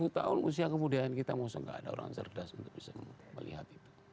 lima tahun usia kemudian kita maksudnya tidak ada orang cerdas untuk bisa melihat itu